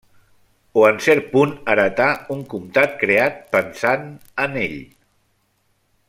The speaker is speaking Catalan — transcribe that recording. O en cert punt heretà un comtat creat pensant en ell.